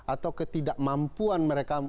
atau ketidakmampuan mereka